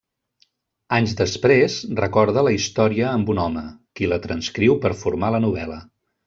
Anys després recorda la història amb un home, qui la transcriu per formar la novel·la.